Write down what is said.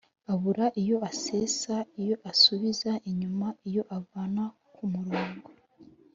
Abura iyo asesa: Iyo asubiza inyuma, iyo avana ku murongo.